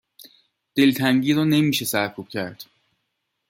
دلتنگی رو نمی شه سرکوب کرد